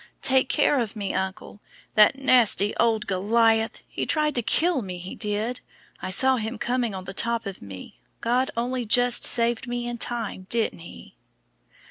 "Take care of me, uncle! That nasty old Goliath! He tried to kill me, he did! I saw him coming on the top of me. God only just saved me in time, didn't He?"